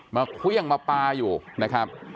มาเครื่องมาปลาอยู่นะครับ